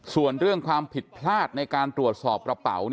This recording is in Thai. ส่วนเรื่องความผิดพลาดในการตรวจสอบกระเป๋า